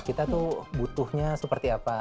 kita tuh butuhnya seperti apa